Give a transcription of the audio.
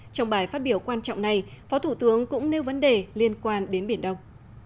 trong bài phát biểu quan trọng này phó thủ tướng cũng nêu vấn đề liên quan đến biển đông